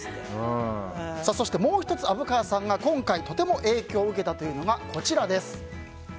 そしてもう１つ虻川さんが今回とても影響を受けたというのがこちらです。